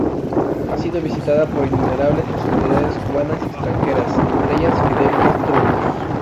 Ha sido visitada por innumerables personalidades cubanas y extranjeras, entre ellas Fidel Castro Ruz.